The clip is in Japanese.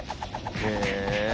へえ。